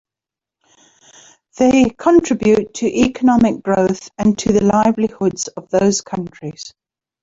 They contribute to economic growth and to the livelihoods of those countries.